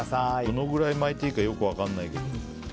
どのぐらい巻いていいかよく分かんないけど。